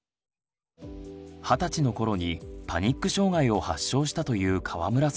二十歳の頃にパニック障害を発症したという川村さんの場合。